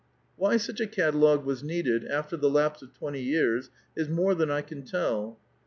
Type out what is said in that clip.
Why such a catalogue was needed, after the lapse of twenty years, is more than I can toll.